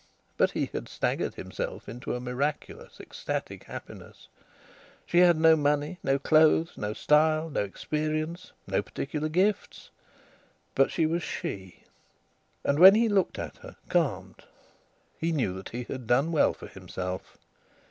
But he had staggered himself into a miraculous, ecstatic happiness. She had no money, no clothes, no style, no experience, no particular gifts. But she was she. And when he looked at her, calmed, he knew that he had done well for himself.